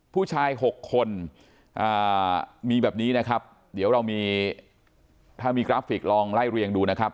ผู้ชาย๖คนมีแบบนี้นะครับเดี๋ยวเรามีถ้ามีกราฟิกลองไล่เรียงดูนะครับ